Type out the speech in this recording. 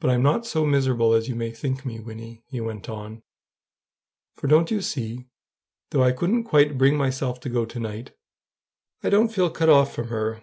But I'm not so miserable as you may think me, Wynnie," he went on; "for don't you see? though I couldn't quite bring myself to go to night, I don't feel cut off from her.